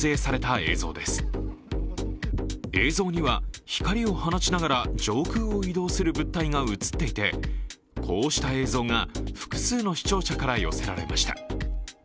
映像には光を放ちながら上空を移動する物体が映っていて、こうした映像が複数の視聴者から寄せられました。